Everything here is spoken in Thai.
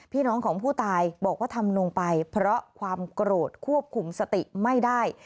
พี่น้องของผู้ตายบอกว่าทำลงไปเพราะความโกรธควบคุมสติไม่ได้